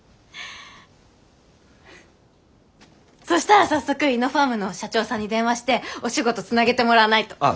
そしたら早速イノファームの社長さんに電話してお仕事つなげてもらわないと。